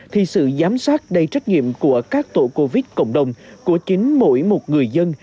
thì sự giám sát đầy trách nhiệm của các tổ covid cộng đồng của chính mỗi một người dân